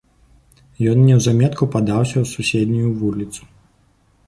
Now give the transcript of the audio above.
Ён неўзаметку падаўся ў суседнюю вуліцу.